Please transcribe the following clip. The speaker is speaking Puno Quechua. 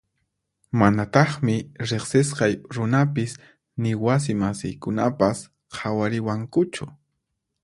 Manataqmi riqsisqay runapis ni wasi masiykunapas qhawariwankuchu.